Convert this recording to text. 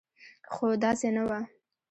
خو داسې نه وه.